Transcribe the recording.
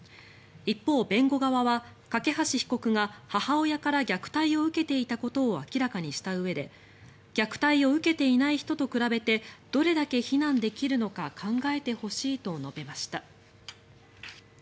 一方、弁護側は梯被告が母親から虐待を受けていたことを明らかにしたうえで虐待を受けていない人と比べてどれだけ非難できるのか考えてほしいと述べました。